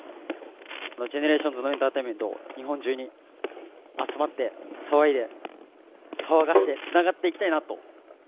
ＧＥＮＥＲＡＴＩＯＮＳのエンターテインメントを日本中に集まって、騒いで、騒がして、つながっていきたいなと。